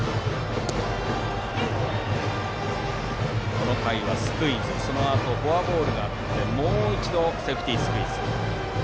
この回はスクイズフォアボールがあってもう一度、セーフティースクイズ。